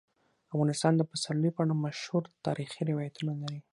افغانستان د پسرلی په اړه مشهور تاریخی روایتونه لري.